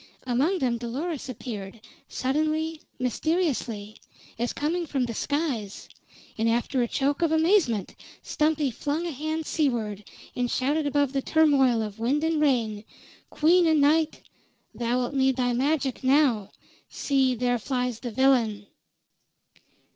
Among them Dolores appeared, suddenly, mysteriously, as coming from the skies, and after a choke of amazement Stumpy flung a hand seaward, and shouted above the turmoil of wind and rain: "Queen o' Night, thou'lt need thy magic now! See, there flies the villain!"